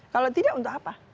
kalau tidak untuk apa